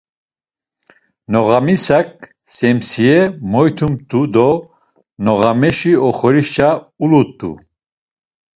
Noğamisak semsiye moytumt̆u do noğameşi oxorişe ulut̆u.